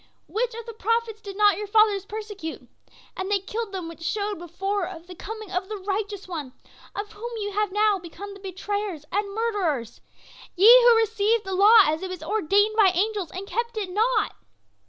Which of the prophets did not your fathers persecute? And they killed them which showed before of the coming of the Righteous One, of whom ye have now become the betrayers and murderers. Ye who received the law as it was ordained by angels and kept it not!"